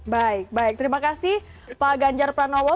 baik baik terima kasih pak ganjar pranowo